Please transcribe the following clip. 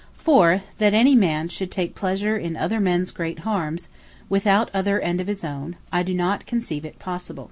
For, that any man should take pleasure in other mens' great harmes, without other end of his own, I do not conceive it possible.